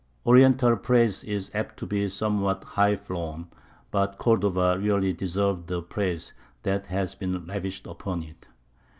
" Oriental praise is apt to be somewhat high flown; but Cordova really deserved the praise that has been lavished upon it.